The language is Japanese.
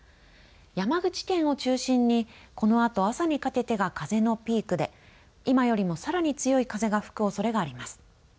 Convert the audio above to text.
山口県を中心にこのあと朝にかけてが風のピークで今よりも、さらに強い風が吹くおそれがあります。